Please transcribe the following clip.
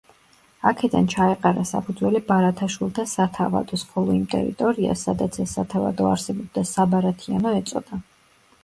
აქედან ჩაეყარა საფუძველი ბარათაშვილთა სათავადოს, ხოლო იმ ტერიტორიას, სადაც ეს სათავადო არსებობდა, საბარათიანო ეწოდა.